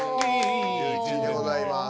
１１位でございます。